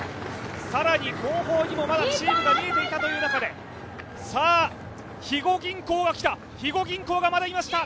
さらに後方にもまだチームが見えていたという中で肥後銀行がまだいました。